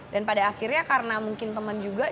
dan pada akhirnya karena mungkin temen juga